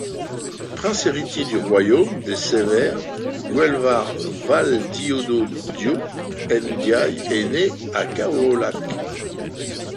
Prince héritier du royaume des Sérères Guelwar, Valdiodio Ndiaye est né le à Kaolack.